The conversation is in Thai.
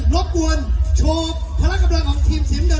พร้อมจะเจออะไรอีกมั้ย